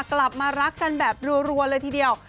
กลับมารักกันแบบรัวเลยทีเดียว